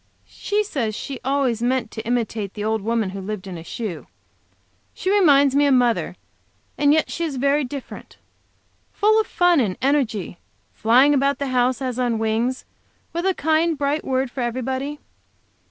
She says she ways meant to imitate the old woman who lived in a shoe. She reminds me of mother, and yet she is very different; full of fun and energy; flying about the house as on wings, with a kind, bright word for everybody.